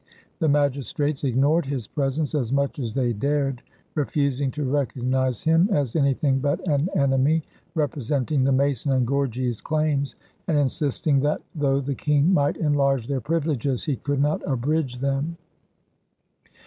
The magistrates ignored his presence as much as they dared, refusing to recognize him as anything but an enemy representing the Mason and Gorges claims, and insisting that though the King might enlarge their privileges he could not abridge them.